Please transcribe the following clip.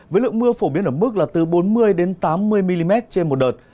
với lượng mưa phổ biến ở mức là từ bốn mươi tám mươi mm trên một đợt